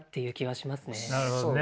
なるほどね。